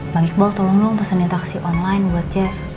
bang iqbal tolong lo pesenin taksi online buat jess